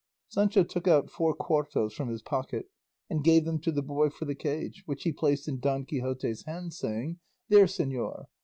Sancho took out four cuartos from his pocket and gave them to the boy for the cage, which he placed in Don Quixote's hands, saying, "There, señor!